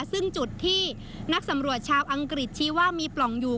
ซึ่งจุดที่นักสำรวจชาวอังกฤษชี้ว่ามีปล่องอยู่